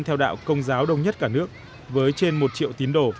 theo đạo công giáo đông nhất cả nước với trên một triệu tín đồ